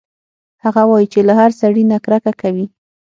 هغه وايي چې له هر سړي نه کرکه کوي